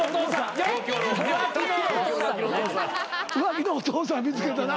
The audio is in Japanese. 浮気のお父さん見つけたな。